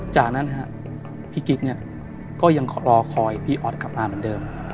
จากนั้นพี่กิ๊กเนี่ยก็ยังรอคอยพี่ออสกลับมาเหมือนเดิม